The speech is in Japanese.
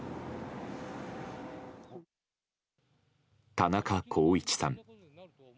田中公一さん。